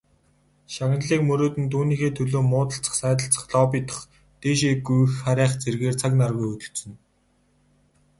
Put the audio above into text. Шагналыг мөрөөднө, түүнийхээ төлөө муудалцах, сайдалцах, лоббидох, дээшээ гүйх харайх зэргээр цаг наргүй хөөцөлдөнө.